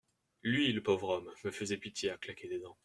Lui, le pauvre homme, me faisait pitié, à claquer des dents.